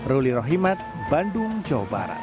ruli rohimat bandung jawa barat